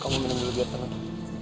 kamu minum dulu biar tenang